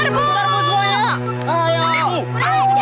kasar kamu gak harga diri